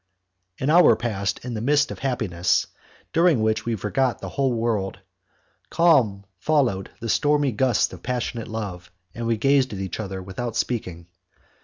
An hour passed in the midst of happiness, during which we forgot the whole world. Calm followed the stormy gusts of passionate love, and we gazed at each other without speaking.